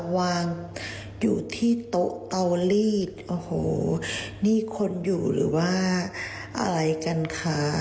วางอยู่ที่โต๊ะเตาลีดโอ้โหนี่คนอยู่หรือว่าอะไรกันคะ